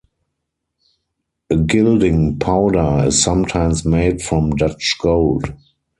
A gilding powder is sometimes made from Dutch gold.